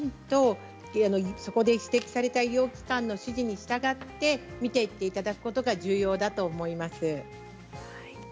指摘された医療機関の指示に従って見ていっていただくことが重要だと思います。